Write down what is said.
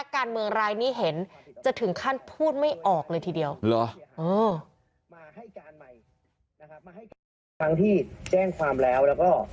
ครั้งที่แจ้งความแล้วก็